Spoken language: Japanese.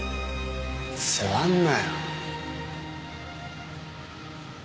座んなよ。